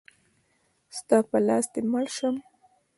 ستا په لاس دی مړ شم.